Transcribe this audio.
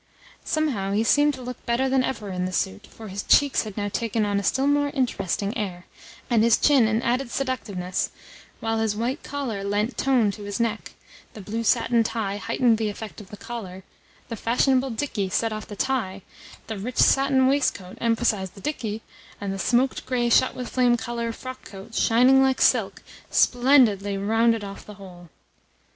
Somehow he seemed to look better than ever in the suit, for his cheeks had now taken on a still more interesting air, and his chin an added seductiveness, while his white collar lent tone to his neck, the blue satin tie heightened the effect of the collar, the fashionable dickey set off the tie, the rich satin waistcoat emphasised the dickey, and the smoked grey shot with flame colour frockcoat, shining like silk, splendidly rounded off the whole.